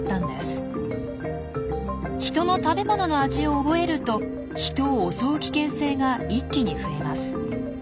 人の食べ物の味を覚えると人を襲う危険性が一気に増えます。